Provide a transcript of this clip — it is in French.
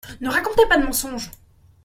Ne racontez pas de mensonges.